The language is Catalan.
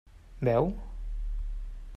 Veu?